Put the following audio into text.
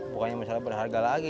bukannya masalah berharga lagi